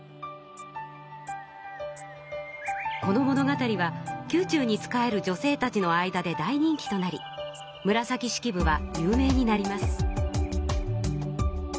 この物語は宮中に仕える女性たちの間で大人気となり紫式部は有名になります。